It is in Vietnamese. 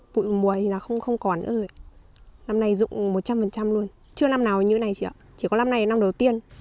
bụi mùa thì không còn nữa rồi năm nay dụng một trăm linh luôn chưa năm nào như thế này chị ạ chỉ có năm này là năm đầu tiên